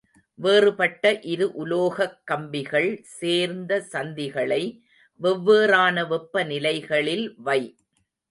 வேறுபட்ட இரு உலோகக் கம்பிகள் சேர்ந்த சந்திகளை வெவ்வேறான வெப்பநிலைகளில் வை.